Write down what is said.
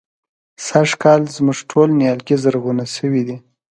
سږکال زموږ ټول نيالګي زرغونه شوي دي.